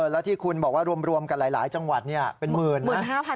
แล้วที่คุณบอกว่ารวมกันหลายจังหวัดเป็นหมื่นนะ